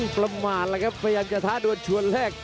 ประมาทแล้วครับพยายามจะท้าดวนชวนแรก